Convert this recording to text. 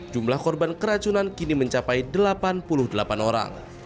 jumlah korban keracunan kini mencapai delapan puluh delapan orang